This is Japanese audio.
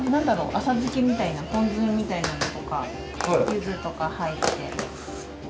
浅漬けみたいなポン酢みたいなのとか柚子とか入ってる。